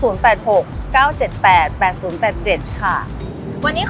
วันนี้ขอบคุณแม่ลำไยกับพี่ยุมาก